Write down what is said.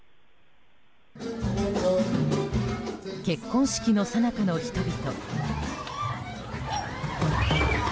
結婚式のさなかの人々。